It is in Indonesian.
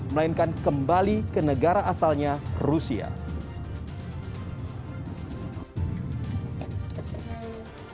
melainkan kembali ke negara asalnya rusia hai hai hai hai hai